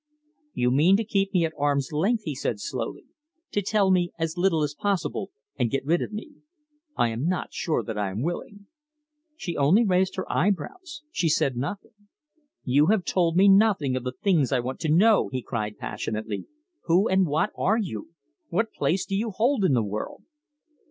"You mean to keep me at arm's length," he said slowly, "to tell me as little as possible, and get rid of me. I am not sure that I am willing." She only raised her eyebrows. She said nothing. "You have told me nothing of the things I want to know," he cried passionately. "Who and what are you? What place do you hold in the world?"